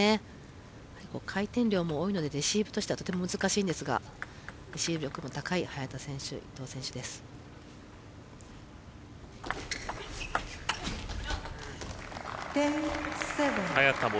回転量も多いのでレシーブとしてはとても難しいんですがレシーブ力の高い伊藤選手、早田選手です。